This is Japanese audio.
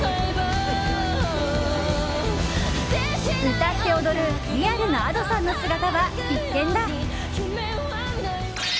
歌って踊るリアルなＡｄｏさんの姿は必見だ。